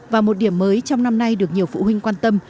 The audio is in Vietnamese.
và một điểm mới trong năm nay được nhiều phụ huynh quan tâm